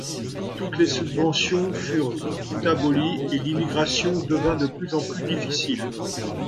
Toutes les subventions furent abolies, et l'immigration devint de plus en plus difficile.